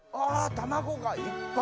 卵がいっぱい。